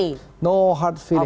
tidak ada perasaan hati